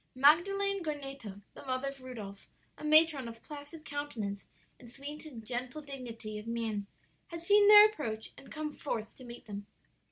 "Magdalen Goneto, the mother of Rudolph, a matron of placid countenance and sweet and gentle dignity of mien had seen their approach and come forth to meet them.